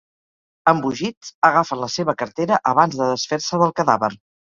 Embogits, agafen la seva cartera abans de desfer-se del cadàver.